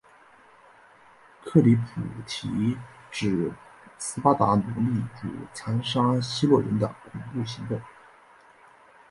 克里普提指斯巴达奴隶主残杀希洛人的恐怖行动。